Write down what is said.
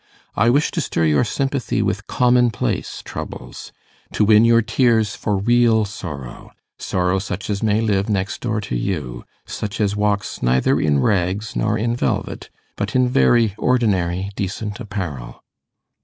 I wish to stir your sympathy with commonplace troubles to win your tears for real sorrow: sorrow such as may live next door to you such as walks neither in rags nor in velvet, but in very ordinary decent apparel.